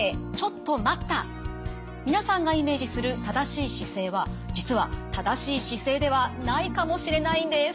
皆さんがイメージする正しい姿勢は実は正しい姿勢ではないかもしれないんです。